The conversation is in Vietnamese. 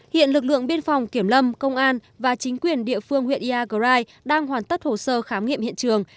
hiện lực lượng biên phòng kiểm lâm công an và chính quyền địa phương huyện iagrai đang hoàn tất hồ sơ khám nghiệm hiện trường